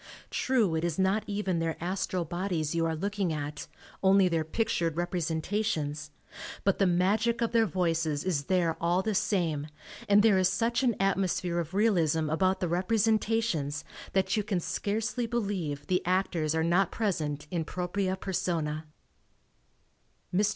True it is not even their astral bodies you are looking at, only their pictured representations, but the magic of their voices is there all the same and there is such an atmosphere of realism about the representations that you can scarcely believe the actors are not present in propriae personae. Mr.